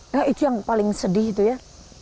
nah itu yang paling sedih itu ya